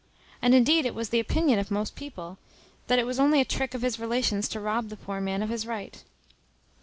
And indeed it was the opinion of most people, that it was only a trick of his relations to rob the poor man of his right."